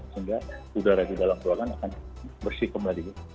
sehingga udara di dalam ruangan akan bersihkan lagi